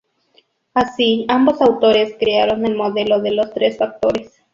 Así ambos autores crearon el Modelo de los Tres Factores.